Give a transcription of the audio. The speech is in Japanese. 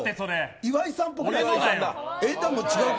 岩井さんっぽくない？